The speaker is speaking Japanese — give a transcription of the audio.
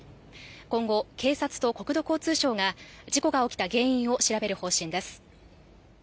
今後、警察と国土交通省が事故が起きた原因を調べる方針です。